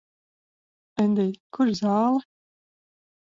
Endij, kur zāle?